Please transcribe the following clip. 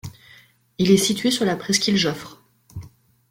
Il est situé sur la presqu'île Joffre.